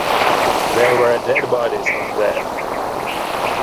There were dead bodies on there.